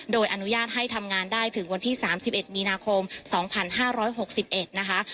โดยอนุญาตให้ทำงานได้ถึงวันที่๓๑มีนาคม๒๕๖๑นะคะ